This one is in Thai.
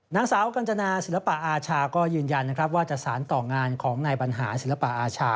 นางสาวกัญจนาศิลปะอาชาก็ยืนยันนะครับว่าจะสารต่องานของนายบรรหาศิลปะอาชา